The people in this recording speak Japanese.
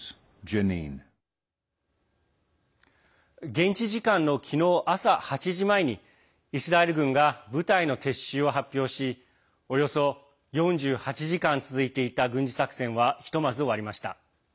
現地時間の昨日朝８時前にイスラエル軍が部隊の撤収を発表しおよそ４８時間続いていた軍事作戦はひとまず終わりました。